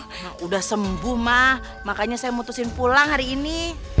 sudah sembuh mak makanya saya memutuskan pulang hari ini